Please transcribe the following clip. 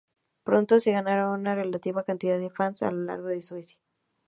Pronto se ganaron una relativa cantidad de fans a lo largo de Suecia.